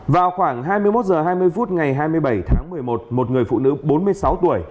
vào khoảng hai mươi một h hai mươi phút ngày hai mươi bảy tháng một mươi một một người phụ nữ bốn mươi sáu tuổi